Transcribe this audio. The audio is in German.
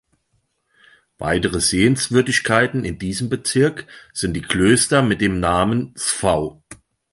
Weitere Sehenswürdigkeiten in diesem Bezirk sind die Klöster mit den Namen "Sv.